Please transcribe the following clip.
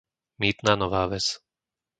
Mýtna Nová Ves